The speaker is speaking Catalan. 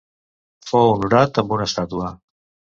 Fou honorat amb una estàtua.